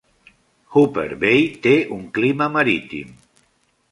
Hooper Bay té un clima marítim.